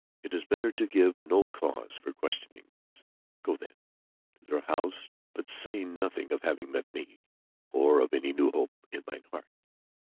It is better to give no cause for questionings. Go then, to their house, but say nothing of having met me, or of any new hope in thine heart.